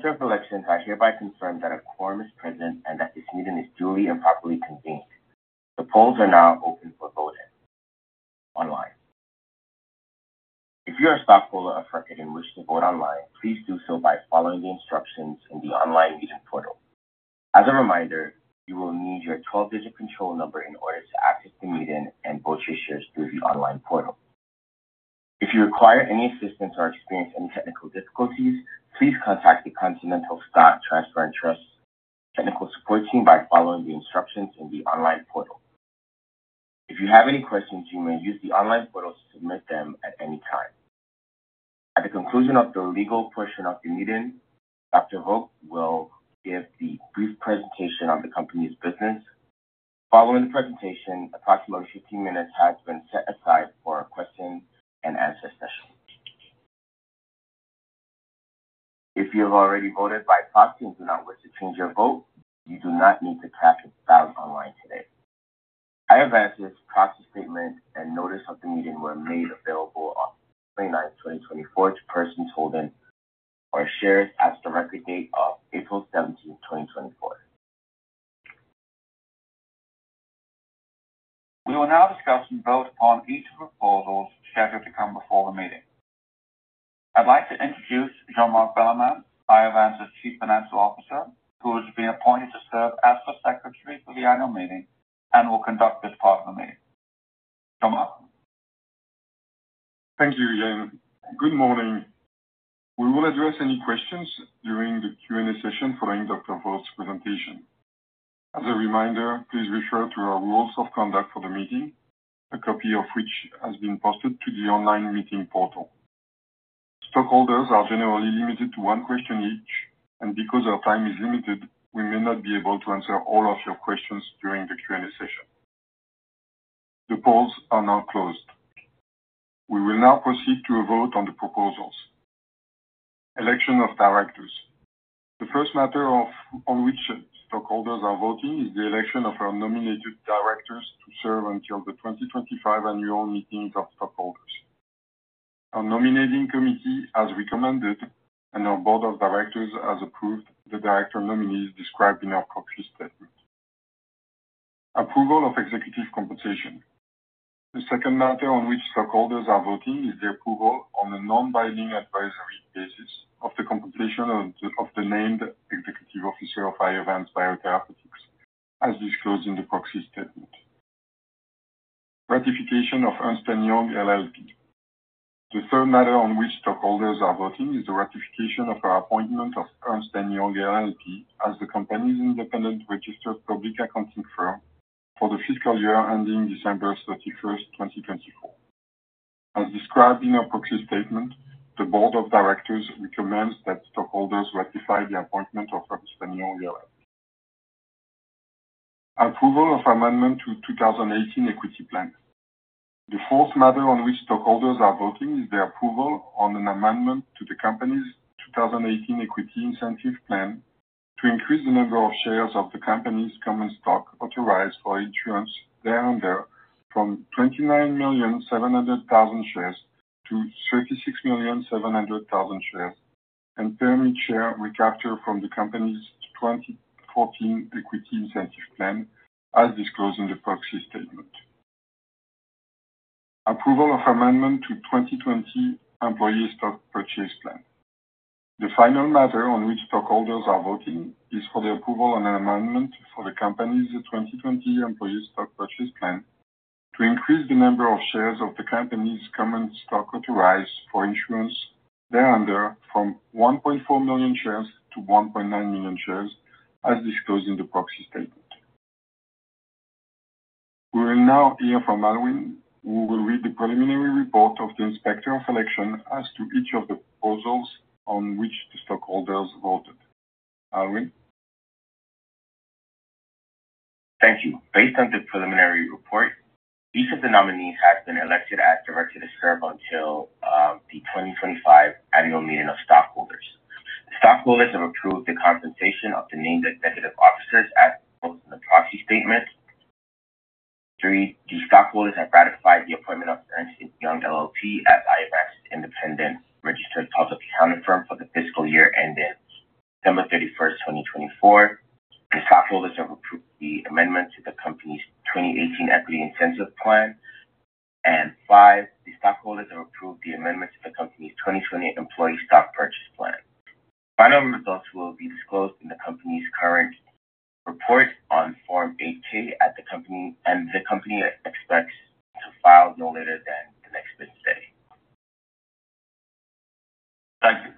Director of Elections has hereby confirmed that a quorum is present and that this meeting is duly and properly convened. The polls are now open for voting online. If you are a stockholder of Iovance and wish to vote online, please do so by following the instructions in the online meeting portal. As a reminder, you will need your 12-digit control number in order to access the meeting and vote your shares through the online portal. If you require any assistance or experience any technical difficulties, please contact the Continental Stock Transfer and Trust technical support team by following the instructions in the online portal. If you have any questions, you may use the online portal to submit them at any time. At the conclusion of the legal portion of the meeting, Dr. Vogt will give the brief presentation of the company's business. Following the presentation, approximately 15 minutes has been set aside for a Q&A session. If you have already voted by proxy and do not wish to change your vote, you do not need to cash it out online today. Iovance's proxy statement and notice of the meeting were made available on May 9th, 2024, to persons holding shares as of the record date of April 17th, 2024. We will now discuss and vote on each of the proposals scheduled to come before the meeting. I'd like to introduce Jean-Marc Bellemin, Iovance's Chief Financial Officer, who has been appointed to serve as the Secretary for the annual meeting and will conduct this part of the meeting. Jean-Marc? Thank you, Jean. Good morning. We will address any questions during the Q&A session following Dr. Vogt's presentation. As a reminder, please refer to our rules of conduct for the meeting, a copy of which has been posted to the online meeting portal. Stockholders are generally limited to one question each, and because our time is limited, we may not be able to answer all of your questions during the Q&A session. The polls are now closed. We will now proceed to a vote on the proposals. Election of Directors. The first matter on which stockholders are voting is the election of our nominated directors to serve until the 2025 annual meeting of stockholders. Our nominating committee has recommended, and our board of directors has approved the director nominees described in our proxy statement. Approval of Executive Compensation. The second matter on which stockholders are voting is the approval on a non-binding advisory basis of the compensation of the named Executive Officer of Iovance Biotherapeutics, as disclosed in the proxy statement. Ratification of Ernst & Young LLP. The third matter on which stockholders are voting is the ratification of our appointment of Ernst & Young LLP as the company's independent registered public accounting firm for the fiscal year ending December 31st, 2024. As described in our proxy statement, the board of directors recommends that stockholders ratify the appointment of Ernst & Young LLP. Approval of Amendment to 2018 Equity Plan. The fourth matter on which stockholders are voting is the approval of an amendment to the company's 2018 Equity Incentive Plan to increase the number of shares of the company's common stock authorized for issuance thereunder from $29,700,000 shares to $36,700,000 shares and per-share recapture from the company's 2014 Equity Incentive Plan, as disclosed in the proxy statement. Approval of Amendment to 2020 Employee Stock Purchase Plan. The final matter on which stockholders are voting is for the approval of an amendment to the company's 2020 Employee Stock Purchase Plan to increase the number of shares of the company's common stock authorized for issuance thereunder from 1.4 million shares to 1.9 million shares, as disclosed in the proxy statement. We will now hear from Alwyn, who will read the preliminary report of the inspector of election as to each of the proposals on which the stockholders voted. Alwyn? Thank you. Based on the preliminary report, each of the nominees has been elected as directed to serve until the 2025 annual meeting of stockholders. The stockholders have approved the compensation of the named executive officers, as proposed in the proxy statement. Three, the stockholders have ratified the appointment of Ernst & Young LLP as Iovance's independent registered public accounting firm for the fiscal year ending September 31st, 2024. The stockholders have approved the amendment to the company's 2018 Equity Incentive Plan. And five, the stockholders have approved the amendment to the company's 2020 Employee Stock Purchase Plan. The final results will be disclosed in the company's current report on Form 8-K, and the company expects to file no later than the next business day. Thank you.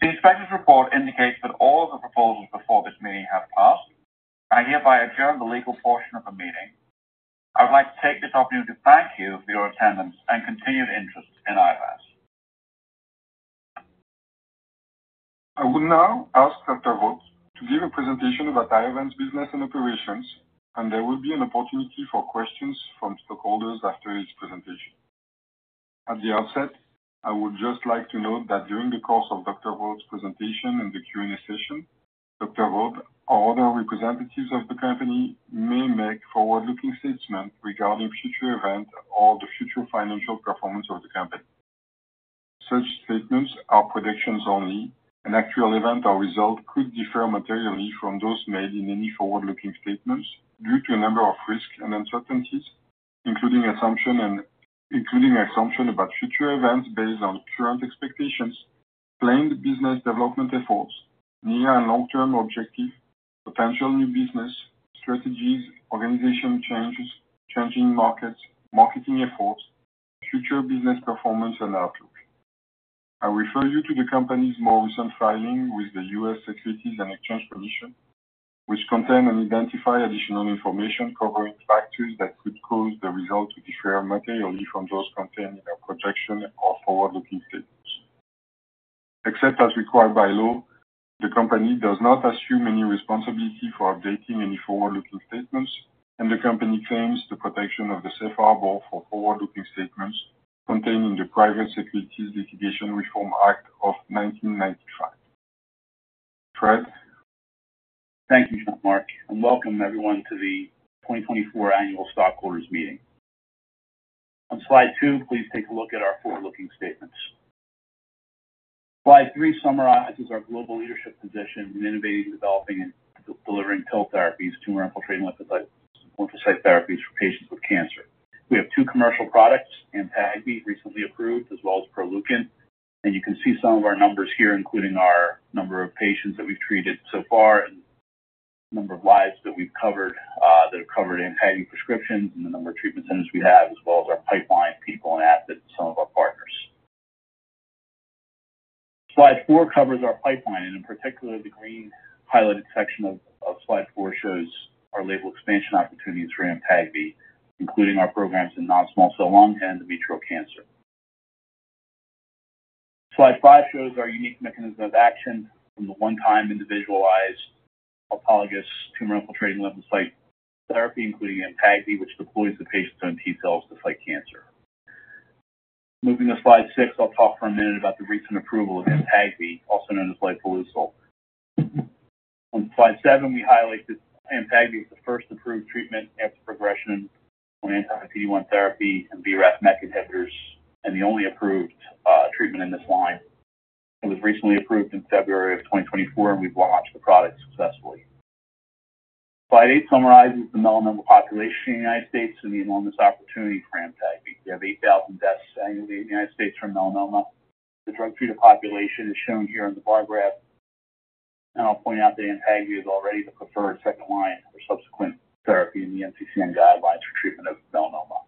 The inspector's report indicates that all of the proposals before this meeting have passed. I hereby adjourn the legal portion of the meeting. I would like to take this opportunity to thank you for your attendance and continued interest in Iovance. I will now ask Dr. Vogt to give a presentation about Iovance's business and operations, and there will be an opportunity for questions from stockholders after his presentation. At the outset, I would just like to note that during the course of Dr. Vogt's presentation and the Q&A session, Dr. Vogt or other representatives of the company may make forward-looking statements regarding future events or the future financial performance of the company. Such statements are predictions only, and actual events or results could differ materially from those made in any forward-looking statements due to a number of risks and uncertainties, including assumption about future events based on current expectations, planned business development efforts, near and long-term objectives, potential new business strategies, organization changes, changing markets, marketing efforts, future business performance, and outlook. I refer you to the company's more recent filing with the U.S. Securities and Exchange Commission, which contains and identifies additional information covering factors that could cause the result to differ materially from those contained in our projection or forward-looking statements. Except as required by law, the company does not assume any responsibility for updating any forward-looking statements, and the company claims the protection of the safe harbor for forward-looking statements contained in the Private Securities Litigation Reform Act of 1995. Fred? Thank you, Jean-Marc, and welcome everyone to the 2024 annual stockholders' meeting. On slide two, please take a look at our forward-looking statements. Slide three summarizes our global leadership position in innovating, developing, and delivering TIL therapies, tumor infiltrating lymphocyte therapies for patients with cancer. We have two commercial products, Amtagvi, recently approved, as well as Proleukin, and you can see some of our numbers here, including our number of patients that we've treated so far and the number of lives that we've covered that have covered Amtagvi prescriptions and the number of treatment centers we have, as well as our pipeline of people and assets and some of our partners. Slide four covers our pipeline, and in particular, the green highlighted section of slide 4 shows our label expansion opportunities for Amtagvi, including our programs in non-small cell lung cancer and endometrial cancer. Slide 5 shows our unique mechanism of action from the one-time individualized autologous tumor infiltrating lymphocyte therapy, including Amtagvi, which deploys the patient's own T cells to fight cancer. Moving to slide six, I'll talk for a minute about the recent approval of Amtagvi, also known as lifileucel. On slide seven, we highlight that Amtagvi is the first approved treatment after progression on anti-PD-1 therapy and BRAF MEK inhibitors, and the only approved treatment in this line. It was recently approved in February of 2024, and we've launched the product successfully. Slide eight summarizes the melanoma population in the United States and the enormous opportunity for Amtagvi. We have 8,000 deaths annually in the United States from melanoma. The drug-treated population is shown here in the bar graph, and I'll point out that Amtagvi is already the preferred second line for subsequent therapy in the NCCN guidelines for treatment of melanoma.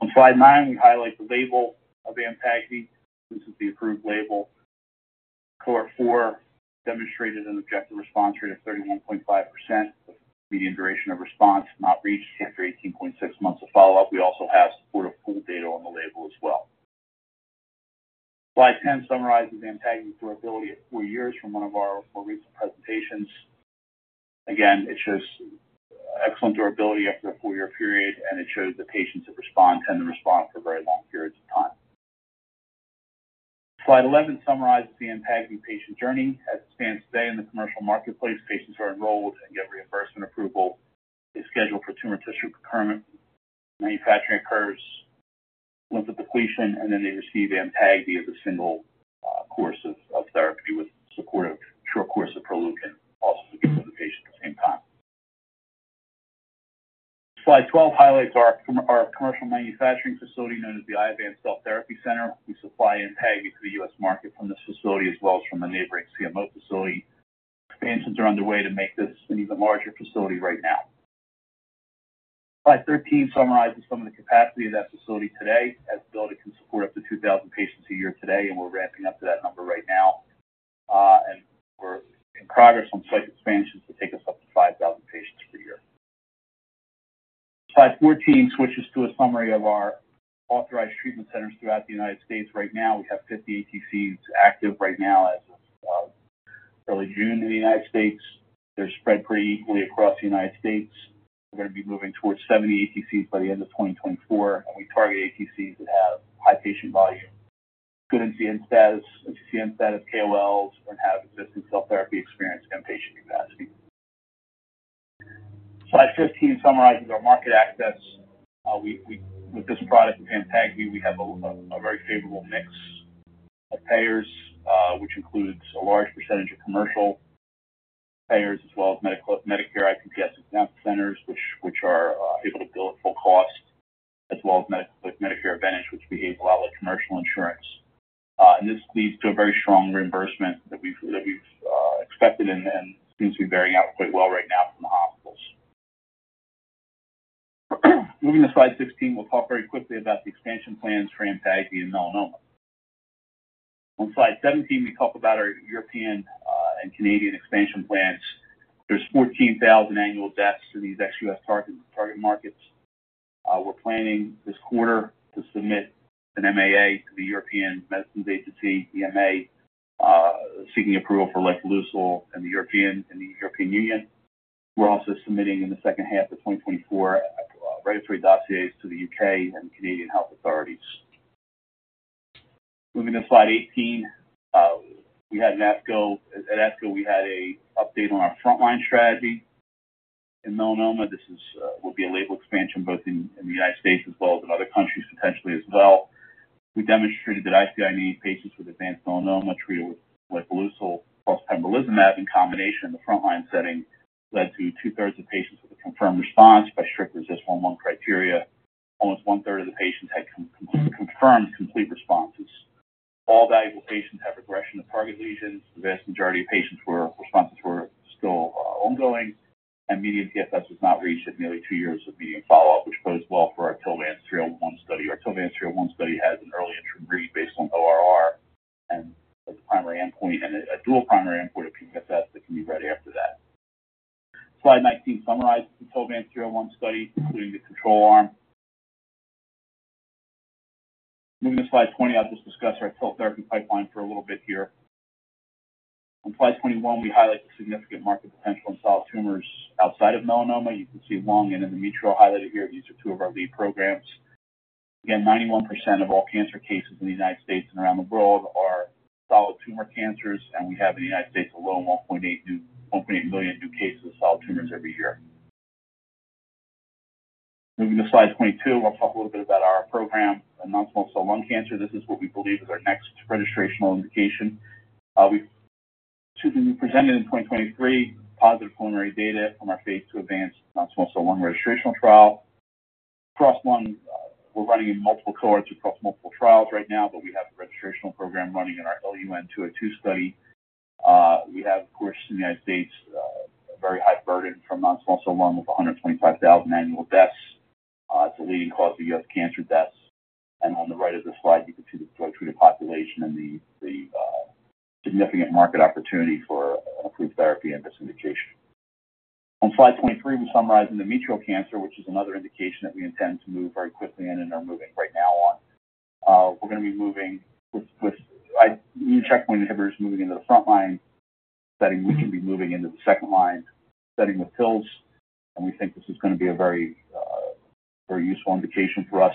On slide nine, we highlight the label of Amtagvi. This is the approved label. Cohort four demonstrated an objective response rate of 31.5%. The median duration of response not reached after 18.6 months of follow-up. We also have support of pooled data on the label as well. Slide 10 summarizes Amtagvi's durability of four years from one of our more recent presentations. Again, it shows excellent durability after a four-year period, and it shows that patients that respond tend to respond for very long periods of time. Slide 11 summarizes the Amtagvi patient journey. As it stands today in the commercial marketplace, patients are enrolled and get reimbursement approval. They schedule for tumor tissue procurement. Manufacturing occurs, lymph depletion, and then they receive Amtagvi as a single course of therapy with support of a short course of Proleukin, also given to the patient at the same time. Slide 12 highlights our commercial manufacturing facility known as the Iovance Cell Therapy Center. We supply Amtagvi to the U.S. market from this facility as well as from a neighboring CMO facility. Expansions are underway to make this an even larger facility right now. Slide 13 summarizes some of the capacity of that facility today, as the building can support up to 2,000 patients a year today, and we're ramping up to that number right now, and we're in progress on site expansions to take us up to 5,000 patients per year. Slide 14 switches to a summary of our authorized treatment centers throughout the United States. Right now, we have 50 ATCs active right now as of early June in the United States. They're spread pretty equally across the United States. We're going to be moving towards 70 ATCs by the end of 2024, and we target ATCs that have high patient volume, good NCCN status, NCCN status, KOLs, and have existing cell therapy experience and patient capacity. Slide 15 summarizes our market access. With this product, with Amtagvi, we have a very favorable mix of payers, which includes a large percentage of commercial payers, as well as Medicare, IPPS, and cancer centers, which are able to bill at full cost, as well as Medicare Advantage, which behaves a lot like commercial insurance. And this leads to a very strong reimbursement that we've expected, and it seems to be bearing out quite well right now from the hospitals. Moving to slide 16, we'll talk very quickly about the expansion plans for Amtagvi and melanoma. On slide 17, we talk about our European and Canadian expansion plans. There's 14,000 annual deaths in these ex-U.S. target markets. We're planning this quarter to submit an MAA to the European Medicines Agency, EMA, seeking approval for lifileucel in the European Union. We're also submitting in the second half of 2024 regulatory dossiers to the U.K. and Canadian health authorities. Moving to slide 18, we had an ASCO. At ASCO, we had an update on our frontline strategy in melanoma. This would be a label expansion both in the United States as well as in other countries potentially as well. We demonstrated that ICI-naïve patients with advanced melanoma treated with lifileucel plus pembrolizumab in combination in the frontline setting led to 2/3 of patients with a confirmed response by iRECIST 1.1 criteria. Almost 1/3 of the patients had confirmed complete responses. All evaluable patients have regression of target lesions. The vast majority of patients' responses were still ongoing, and median PFS was not reached at nearly two years of median follow-up, which goes well for our TILVANCE-301 study. Our TILVANCE-301 study has an early entry read based on ORR as the primary endpoint and a dual primary endpoint of PFS that can be read after that. Slide 19 summarizes the TILVANCE-301 study, including the control arm. Moving to slide 20, I'll just discuss our TIL therapy pipeline for a little bit here. On slide 21, we highlight the significant market potential in solid tumors outside of melanoma. You can see lung and endometrial highlighted here. These are two of our lead programs. Again, 91% of all cancer cases in the United States and around the world are solid tumor cancers, and we have in the United States alone 1.8 million new cases of solid tumors every year. Moving to slide 22, I'll talk a little bit about our program in non-small cell lung cancer. This is what we believe is our next registrational indication. We presented in 2023 positive pulmonary data from our phase II advanced non-small cell lung registrational trial. We're running in multiple cohorts across multiple trials right now, but we have a registrational program running in our LUN202 study. We have, of course, in the United States, a very high burden from non-small cell lung with 125,000 annual deaths. It's the leading cause of U.S. cancer deaths. And on the right of the slide, you can see the drug-treated population and the significant market opportunity for approved therapy and this indication. On slide 23, we summarize endometrial cancer, which is another indication that we intend to move very quickly in and are moving right now on. We're going to be moving with new checkpoint inhibitors moving into the frontline setting. We can be moving into the second line setting with TILs, and we think this is going to be a very useful indication for us.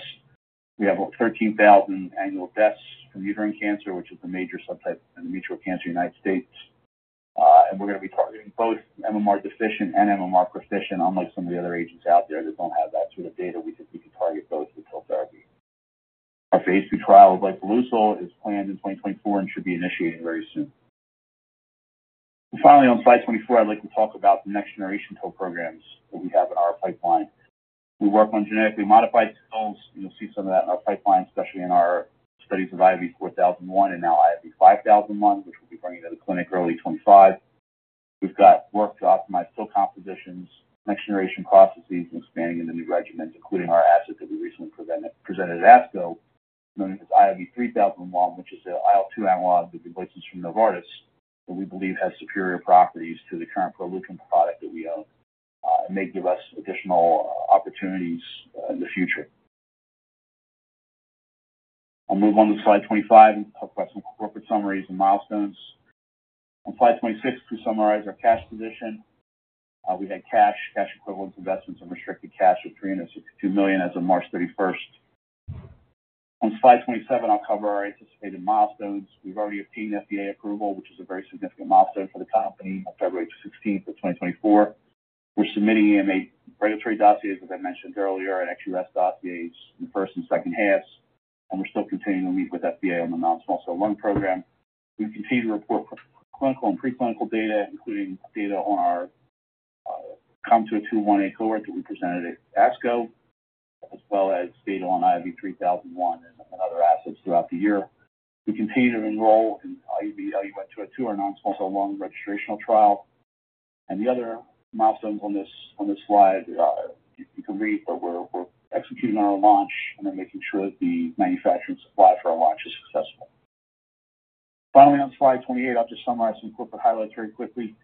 We have 13,000 annual deaths from uterine cancer, which is the major subtype of endometrial cancer in the United States. And we're going to be targeting both MMR deficient and MMR proficient, unlike some of the other agents out there that don't have that sort of data. We think we can target both with TIL therapy. Our phase II trial of lifileucel is planned in 2024 and should be initiated very soon. Finally, on slide 24, I'd like to talk about the next generation TIL programs that we have in our pipeline. We work on genetically modified TILs. You'll see some of that in our pipeline, especially in our studies of IOV-4001 and now IOV-5001, which we'll be bringing to the clinic early 2025. We've got work to optimize TIL compositions, next generation processes, and expanding into new regimens, including our asset that we recently presented at ASCO, known as IOV-3001, which is an IL-2 analog, the replacement from Novartis that we believe has superior properties to the current Proleukin product that we own. It may give us additional opportunities in the future. I'll move on to slide 25 and talk about some corporate summaries and milestones. On slide 26, we summarize our cash position. We had cash, cash equivalent investments, and restricted cash of $362 million as of March 31st. On slide 27, I'll cover our anticipated milestones. We've already obtained FDA approval, which is a very significant milestone for the company on February 16, 2024. We're submitting EMA regulatory dossiers, as I mentioned earlier, and ex-U.S. dossiers in the first and second halves, and we're still continuing to meet with FDA on the non-small cell lung program. We continue to report clinical and preclinical data, including data on our COMTO 21A cohort that we presented at ASCO, as well as data on IOV-3001 and other assets throughout the year. We continue to enroll in IOV-LUN-202, our non-small cell lung registrational trial. The other milestones on this slide, you can read, but we're executing our launch and then making sure that the manufacturing supply for our launch is successful. Finally, on slide 28, I'll just summarize some corporate highlights very quickly.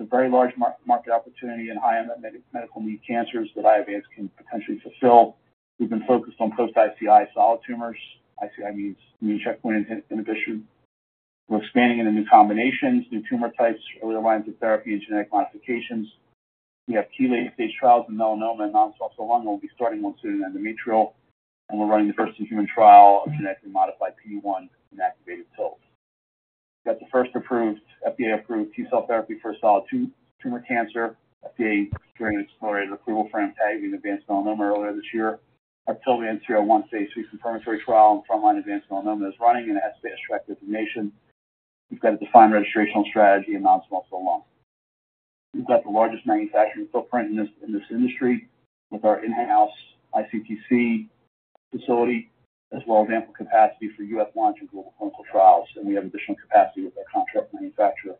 It's a very large market opportunity in high unmet medical need cancers that Iovance can potentially fulfill. We've been focused on post-ICI solid tumors. ICI means immune checkpoint inhibition. We're expanding into new combinations, new tumor types, earlier lines of therapy, and genetic modifications. We have late-stage trials in melanoma and non-small cell lung. We'll be starting one soon in endometrial, and we're running the first-in-human trial of genetically modified PD-1 inactivated TIL. We've got the first approved, FDA-approved T-cell therapy for solid tumor cancer. FDA granted accelerated approval for Amtagvi in advanced melanoma earlier this year. Our TILVANCE-301 Phase III confirmatory trial in frontline advanced melanoma is running and has Fast Track designation. We've got a defined registrational strategy in non-small cell lung. We've got the largest manufacturing footprint in this industry with our in-house iCTC facility, as well as ample capacity for U.S. launch and global clinical trials, and we have additional capacity with our contract manufacturer.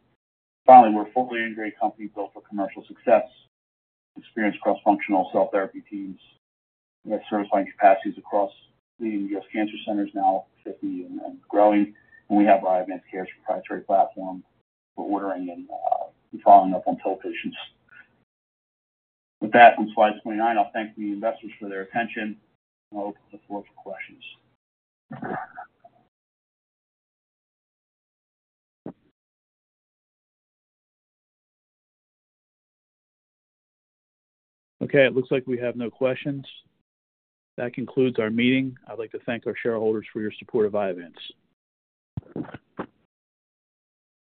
Finally, we're a fully integrated company built for commercial success, experienced cross-functional cell therapy teams. We have certifying capacities across leading U.S. cancer centers now, 50 and growing, and we have our IovanceCares proprietary platform for ordering and following up on TIL patients. With that, on slide 29, I'll thank the investors for their attention, and I'll open the floor for questions. Okay, it looks like we have no questions. That concludes our meeting. I'd like to thank our shareholders for your support of Iovance.